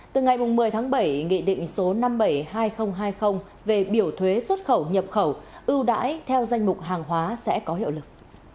từ ngày một mươi tháng bảy nghị định số năm trăm bảy mươi hai nghìn hai mươi về biểu thuế xuất khẩu nhập khẩu ưu đãi theo danh mục hàng hóa sẽ có hiệu lực